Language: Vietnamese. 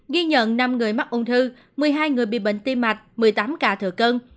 ghi nhận năm người mắc ung thư một mươi hai người bị bệnh tim mạch một mươi tám ca thừa cân